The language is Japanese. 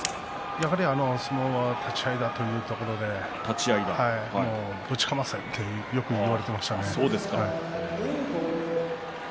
やはり相撲は立ち合いだぶちかませとよく言われていましたね。